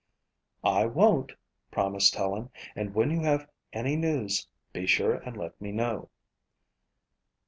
"I won't," promised Helen, "and when you have any news be sure and let me know."